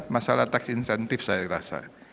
masalah tax insentif saya rasa